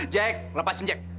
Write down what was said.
jack lepasin jack